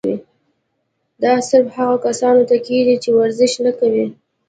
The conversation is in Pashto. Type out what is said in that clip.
دا صرف هغه کسانو ته کيږي چې ورزش نۀ کوي